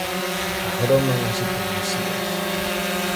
Agroman as hipocrisías.